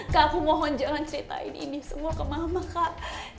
kak aku mohon jangan ceritain ini semua kemahaman kak